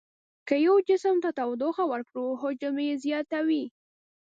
که یو جسم ته تودوخه ورکړو حجم یې زیاتوي.